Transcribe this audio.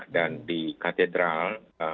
dan di katedral